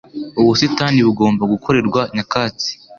Ubusitani bugomba gukorerwa nyakatsi